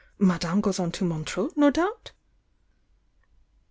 Madame goes on to Montreux, no doubt?"